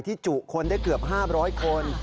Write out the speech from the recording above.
จุคนได้เกือบ๕๐๐คน